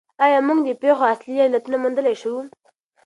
آیا موږ د پېښو اصلي علتونه موندلای شو؟